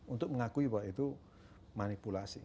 untuk mengakui bahwa itu manipulasi